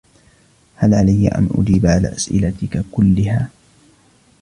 هل علي أن أجيب علی أسئلتك كلها؟